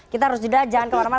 kita harus jeda jangan kemana mana